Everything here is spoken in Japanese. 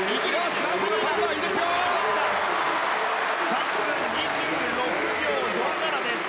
３分２６秒４７です。